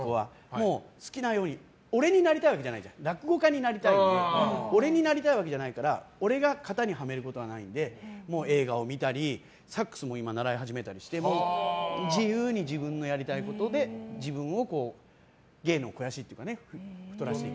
もう、好きなように俺になりたいわけじゃないから落語家になりたいので俺になりたいわけじゃないから俺が型にはめることはないので映画を見たりサックスも習い始めたりして自由に自分のやりたいことで自分を芸の肥やしというか。